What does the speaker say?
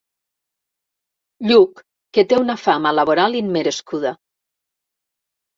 Lluc que té una fama laboral immerescuda.